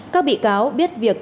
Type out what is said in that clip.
các bị cáo biết việc